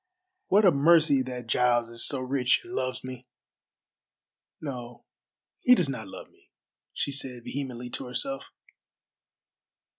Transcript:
What a mercy that Giles is so rich and loves me! No, he does not love me," she said vehemently to herself.